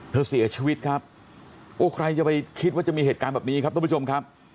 เสียชีวิตครับโอ้ใครจะไปคิดว่าจะมีเหตุการณ์แบบนี้ครับทุกผู้ชมครับ